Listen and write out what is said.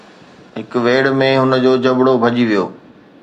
هڪ ويڙهه ۾ هن جو جبرو ڀڄي ويو